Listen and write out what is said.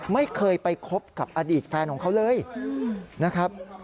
ไม่เคยไปคบกับอดีตแฟนของเขาเลยนะครับ